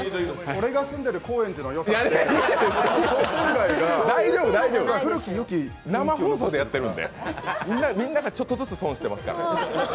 俺が住んでる高円寺のよさって、商店街が古き良き生放送でやってるんで、みんながちょっとずつ損してますから。